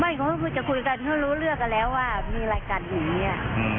ไม่เพราะว่าพวกผู้หญิงจะคุยกันก็รู้เรื่องแล้วว่ามีอะไรกันอย่างนี้